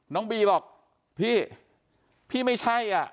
น้องบีบอกพี่ไม่ใช่